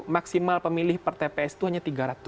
maksimal pemilih per tps itu hanya tiga ratus